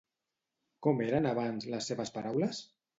Com eren abans les seves paraules?